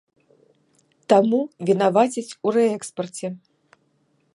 Таму вінавацяць у рээкспарце.